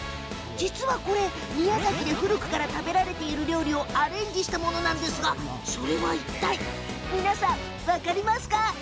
実はこれ、宮崎で古くから食べられている料理をアレンジしたものなんですがそれはいったい皆さん何だかお分かりですか？